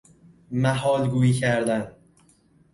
محال گوئی کردن